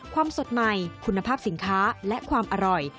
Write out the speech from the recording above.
สดใหม่คุณภาพสินค้าและความอร่อย